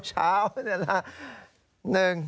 เช้านี่แหละ